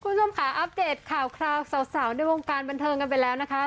คุณผู้ชมค่ะอัปเดตข่าวคราวสาวในวงการบันเทิงกันไปแล้วนะคะ